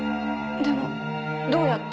でもどうやって？